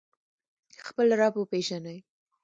خپل رب وپیژنئ